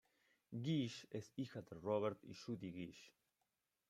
Gish es hija de Robert y Judy Gish.